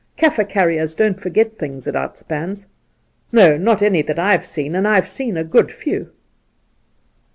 Kaffir carriers don't forget things at outspans. Noy not any that I've seen, and I've seen a good few.'